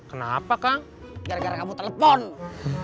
enak kaya ikan paki aku ini tadi donk